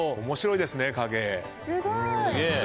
面白いですね影絵。